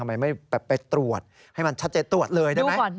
ทำไมไม่ไปตรวจให้มันชัดเจนตรวจเลยได้ไหม